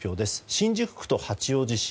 新宿区と八王子市。